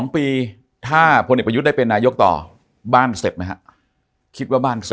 ๒ปีถ้าพนนิปุยุได้เป็นนายกต่อบ้านเสร็จไหมครับ